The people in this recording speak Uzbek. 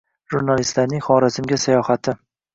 Jurnalistlarning Xorazmga sayohati